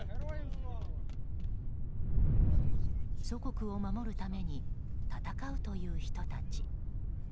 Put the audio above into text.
祖国を守るために戦うという人たち。